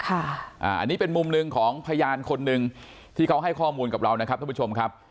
อันนี้เป็นมุมหนึ่งของพยานคนหนึ่งที่เขาให้ข้อมูลกับเรานะครับท่านผู้ชมครับ